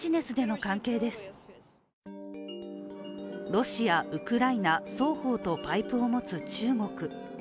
ロシア、ウクライナ、双方とパイプを持つ中国。